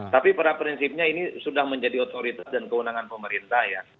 tapi pada prinsipnya ini sudah menjadi otoritas dan kewenangan pemerintah ya